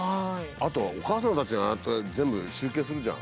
あとお母さんたちがああやって全部集計するじゃん。